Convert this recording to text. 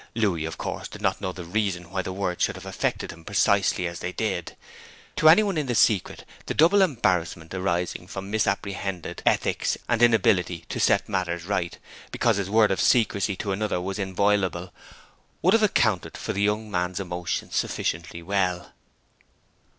Louis, of course, did not know the reason why the words should have affected him precisely as they did; to any one in the secret the double embarrassment arising from misapprehended ethics and inability to set matters right, because his word of secrecy to another was inviolable, would have accounted for the young man's emotion sufficiently well.